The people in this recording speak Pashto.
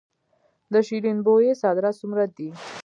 د شیرین بویې صادرات څومره دي؟